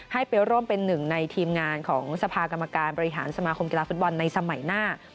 ให้ไปร่วมเป็นหนึ่งในทีมงานของสภากรรมการบริหารสมาคมกีฬาฟุตบอลในสมัยหน้า